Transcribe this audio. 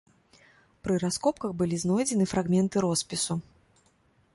Пры раскопках былі знойдзены фрагменты роспісу.